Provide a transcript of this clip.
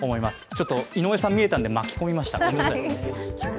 ちょっと井上さん見えたので巻き込みました。